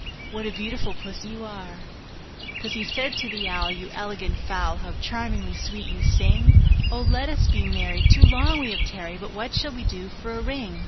What a beautiful Pussy you are!" II. Pussy said to the Owl, "You elegant fowl, How charmingly sweet you sing! Oh! let us be married; too long we have tarried: But what shall we do for a ring?"